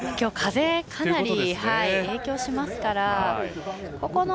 風がかなり影響しますから。